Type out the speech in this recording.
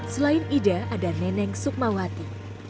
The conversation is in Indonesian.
selain ida ada neneng sukmawati